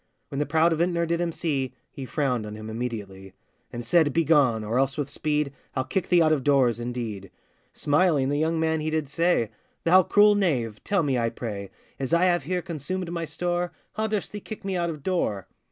When the proud vintner did him see, He frowned on him immediately, And said, 'Begone! or else with speed, I'll kick thee out of doors, indeed.' Smiling, the young man he did say, 'Thou cruel knave! tell me, I pray, As I have here consumed my store, How durst thee kick me out of door?